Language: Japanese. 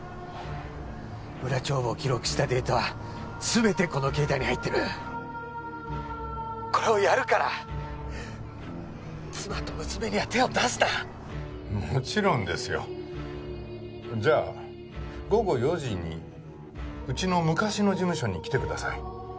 裏帳簿を記録したデータは全てこの携帯に入ってる☎これをやるから妻と娘には手を出すなもちろんですよじゃあ午後４時にうちの昔の事務所に来てください